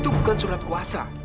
itu bukan surat kuasa